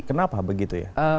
kenapa begitu ya